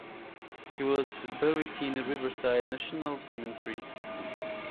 He was buried in Riverside National Cemetery.